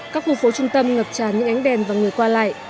các khu phố trung tâm ngập tràn những ánh đèn và người qua lại